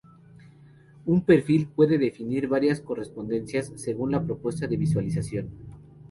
Un perfil puede definir varias correspondencias, según la propuesta de visualización.